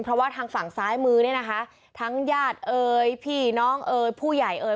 เพราะว่าทางฝั่งซ้ายมือเนี่ยนะคะทั้งญาติเอ่ยพี่น้องเอ่ยผู้ใหญ่เอ่ย